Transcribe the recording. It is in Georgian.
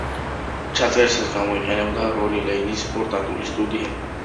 ჩაწერისას გამოიყენებოდა რონი ლეინის პორტატული სტუდია.